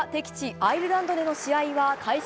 アイルランドでの試合は開始